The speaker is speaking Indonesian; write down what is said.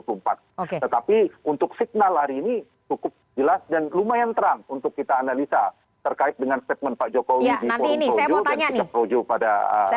tetapi untuk signal hari ini cukup jelas dan lumayan terang untuk kita analisa terkait dengan statement pak jokowi di forum projo dan sikap projo pada